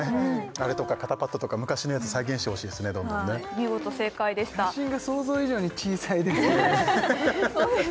あれとか肩パッドとか昔のやつ再現してほしいですねどんどん見事正解でした写真が想像以上に小さいです